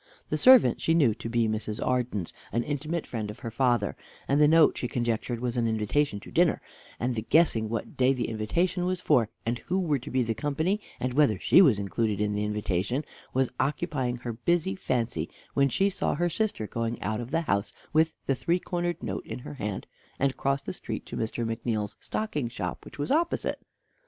The servant she knew to be Mrs. Arden's, an intimate friend of her father, and the note she conjectured was an invitation to dinner, and the guessing what day the invitation was for, and who were to be the company, and whether she was included in the invitation, was occupying her busy fancy, when she saw her sister going out of the house with the three cornered note in her hand, and cross the street to Mr. McNeal's stocking shop, which was opposite.